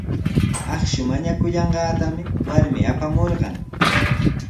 Akshu mañakullanqaatami warmi apamurqan.